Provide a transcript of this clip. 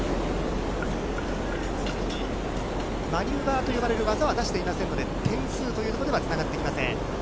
マニューバーと呼ばれる技は出していませんので、点数というところではつながってきません。